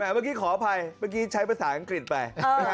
เมื่อกี้ขออภัยเมื่อกี้ใช้ภาษาอังกฤษไป